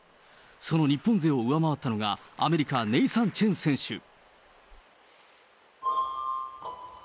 その日本勢を上回ったのが、アメリカ、ネイサン・チェン選手。